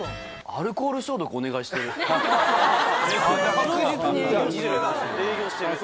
アルコール消毒お願いしてる。